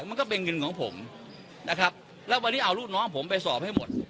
มันก็เป็นเงินของผมนะครับแล้ววันนี้เอาลูกน้องผมไปสอบให้หมด